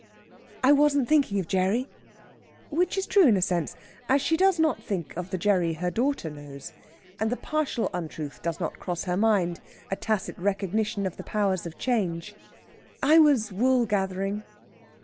"I wasn't thinking of Gerry." Which is true in a sense, as she does not think of the Gerry her daughter knows. And the partial untruth does not cross her mind a tacit recognition of the powers of change. "I was wool gathering."